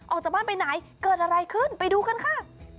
ออกจากบ้านไปไหนเกิดอะไรขึ้นไปดูกันค่ะ